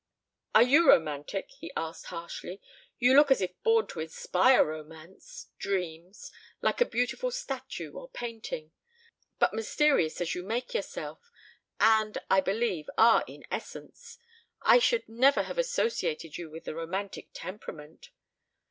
"Are you romantic?" he asked harshly. "You look as if born to inspire romance dreams like a beautiful statue or painting but mysterious as you make yourself and, I believe, are in essence I should never have associated you with the romantic temperament.